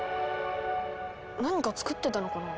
何か作ってたのかな？